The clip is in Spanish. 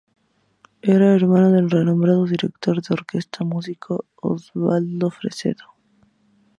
Era hermano del renombrado director de orquesta y músico Osvaldo Fresedo.